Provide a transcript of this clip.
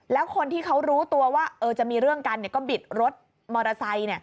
แล้วคนที่เขารู้ตัวว่าจะมีเรื่องกันก็บิดรถมอเตอร์ไซค์